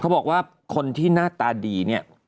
บอกว่าคนที่หน้าตาดีเนี่ย